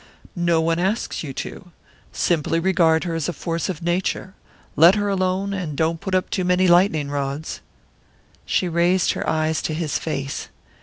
"No one asks you to. Simply regard her as a force of nature let her alone, and don't put up too many lightning rods." She raised her eyes to his face.